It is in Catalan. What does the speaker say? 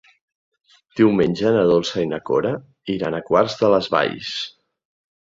Diumenge na Dolça i na Cora iran a Quart de les Valls.